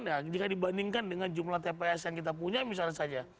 nah jika dibandingkan dengan jumlah tps yang kita punya misalnya saja